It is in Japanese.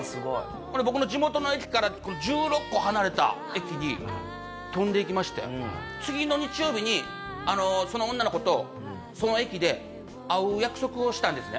これ僕の地元の駅から１６個離れた駅に飛んでいきまして次の日曜日にその女の子とその駅で会う約束をしたんですね。